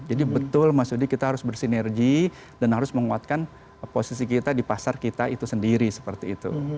jadi betul mas yudi kita harus bersinergi dan harus menguatkan posisi kita di pasar kita itu sendiri seperti itu